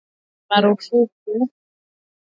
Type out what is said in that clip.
Mkutano wetu huko Marondera ulipigwa marufuku